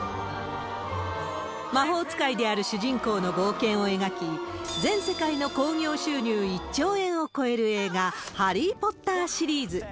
魔法使いである主人公の冒険を描き、全世界の興行収入１兆円を超える映画、ハリー・ポッターシリーズ。